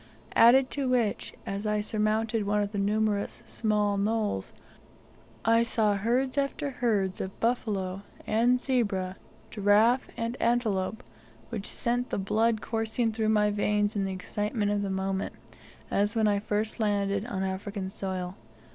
Added to which, as I surmounted one of the numerous small knolls, I saw herds after herds of buffalo and zebra, giraffe and antelope, which sent the blood coursing through my veins in the excitement of the moment, as when I first landed on African soil.